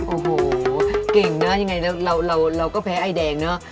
โอ้โหเก่งเนอะยังไงแล้วเราก็แพ้ไอแดงเนอะ